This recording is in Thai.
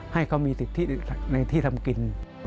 ให้เขามีสิทธิในที่ทำกิน